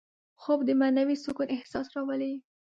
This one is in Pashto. خوب د معنوي سکون احساس راولي